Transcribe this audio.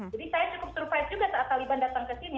jadi saya cukup surprise juga saat taliban datang ke sini